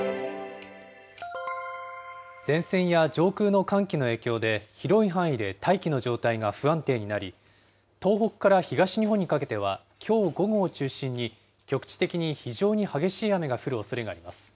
前線や上空の寒気の影響で、広い範囲で大気の状態が不安定になり、東北から東日本にかけては、きょう午後を中心に、局地的に非常に激しい雨が降るおそれがあります。